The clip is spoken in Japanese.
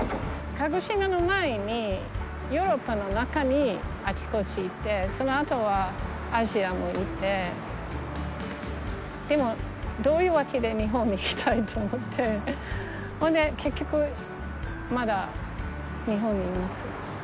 鹿児島の前にヨーロッパの中にあちこち行ってそのあとはアジアも行ってでもどういう訳で日本に来たいと思ってほんで結局まだ日本にいます。